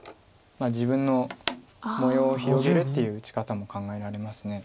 自分の模様を広げるっていう打ち方も考えられます。